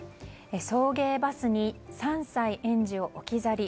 送迎バスに３歳園児を置き去り。